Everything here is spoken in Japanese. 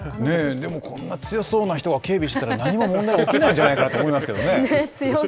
でも、こんな強そうな人が警備をしていたら何も問題が起きないんじゃないかなと思いますよね。